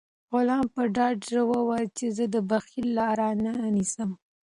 غلام په ډاډه زړه وویل چې زه د بخل لاره نه نیسم.